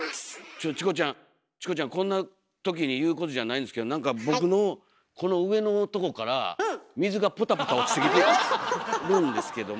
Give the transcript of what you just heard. ちょっチコちゃんチコちゃんこんな時に言うことじゃないんですけど何か僕のこの上のとこから落ちてきてるんですけども。